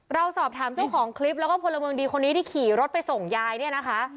เราสอบถามเจ้าของคลิปแล้วก็พลเมืองดีคนนี้ที่ขี่รถไปส่งยายเนี่ยนะคะ